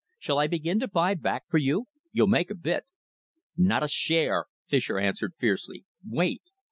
Shall I begin to buy back for you? You'll make a bit." "Not a share," Fischer answered fiercely. "Wait!"